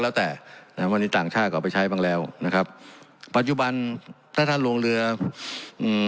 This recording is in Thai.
เลยต่างชาติก็ออกไปใช้บางแล้วนะครับปัจจุบันถ้าท่านโรงเรืออืม